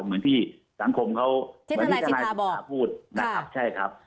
เหมือนที่สังคมเขาเหมือนที่ทนายเดชาพูดนะครับใช่ครับ